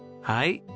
はい。